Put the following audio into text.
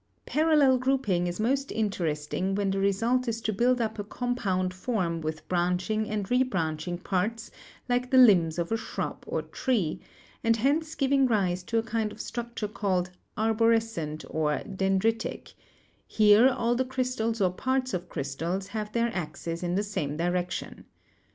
Parallel grouping is most interesting when the result is to build up a compound form with branching and re branching parts like the limbs of a shrub or tree, and hence giving rise to a kind of structure called arborescent or dendritic; here all the crystals or parts of crystals have their axes in the same direction.